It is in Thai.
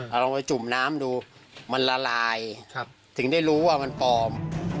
เอาลองไปจุ่มน้ำดูมันละลายถึงได้รู้ว่ามันปลอม